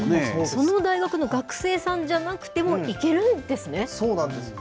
その大学の学生さんじゃなくても、行けるんですね。